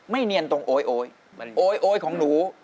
ไม่เนียนตรงโอ๊ยโอ๊ยของหนู